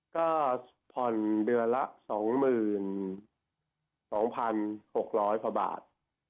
ก็ผ่อนเดือนละ๒๒๖๐๐กว่าบาท